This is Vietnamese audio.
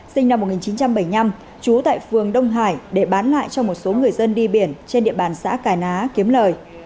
sinh năm một nghìn chín trăm bảy mươi năm trú tại phường đông hải để bán lại cho một số người dân đi biển trên địa bàn xã cà ná kiếm lời